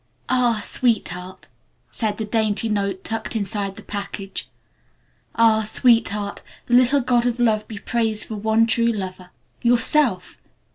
"Ah, Sweetheart " said the dainty note tucked inside the package "Ah, Sweetheart, the little god of love be praised for one true lover Yourself!